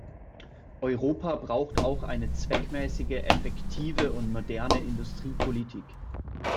Europa braucht auch eine zweckmäßige, effektive und moderne Industriepolitik.